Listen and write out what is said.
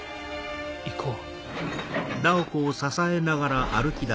行こう。